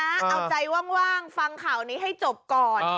เอาใจว่างฟังข่าวนี้ให้จบก่อน